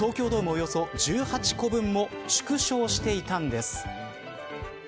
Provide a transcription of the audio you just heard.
およそ１８個分も縮小していたんです。